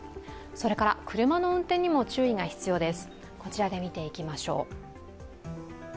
車の運転にも注意が必要です。